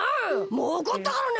もうおこったからね！